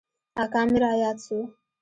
اکا مې راياد سو.